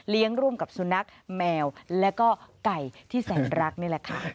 ร่วมกับสุนัขแมวแล้วก็ไก่ที่แสนรักนี่แหละค่ะ